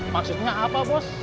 maksudnya apa bos